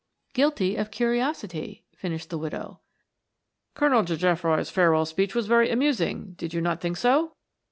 "Guilty of curiosity," finished the widow. "Colonel de Geofroy's farewell speech was very amusing, did you not think so?"